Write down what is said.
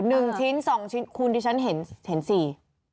หนึ่งชิ้นสองชิ้นคุณที่ฉันเห็นสี่